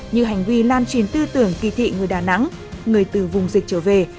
như hành vi lan truyền tư tưởng kỳ thị người đà nẵng người từ vùng dịch trở về